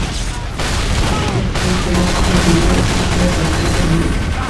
Este espacio funciona como ombligo y punto de partida del mundo.